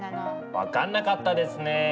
分かんなかったですね。